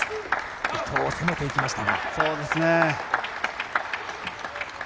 伊藤、攻めていきましたが。